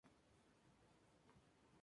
Unas pocas especies son consideradas plagas.